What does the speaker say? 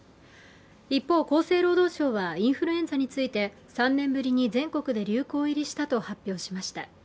一方、厚生労働省はインフルエンザについて、３年ぶりに全国で流行入りしたと発表しました。